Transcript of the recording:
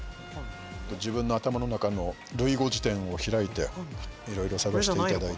自分の頭の中の類語辞典を開いていろいろ探していただいて。